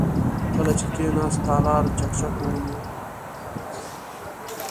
کله چې کېناست، تالار چکچکو ونيو.